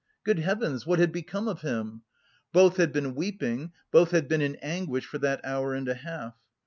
"Good Heavens, what had become of him?" Both had been weeping, both had been in anguish for that hour and a half.